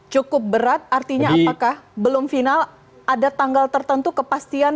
cukup berat artinya apakah belum final ada tanggal tertentu kepastian